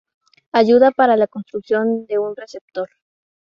Ayuda para la construcción de un receptor.